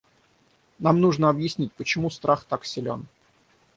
Нам нужно объяснить, почему страх так силен.